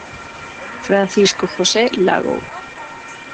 Francisco José Lago.